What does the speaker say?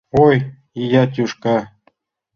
Ой, ия тӱшка!